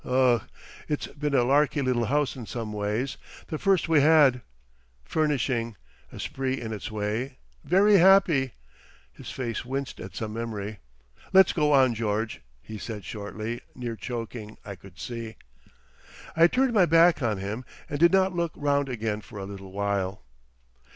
Ugh!... It's been a larky little house in some ways. The first we had. Furnishing—a spree in its way.... Very happy..." His face winced at some memory. "Let's go on, George," he said shortly, near choking, I could see. I turned my back on him, and did not look round again for a little while.